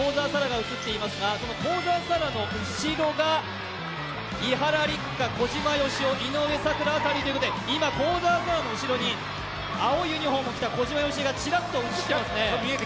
幸澤沙良の後ろが伊原六花、小島よしお、井上咲楽辺りということで今、幸澤沙良の後ろに青いユニフォームを着た小島よしおがちらっと見えてきましたね。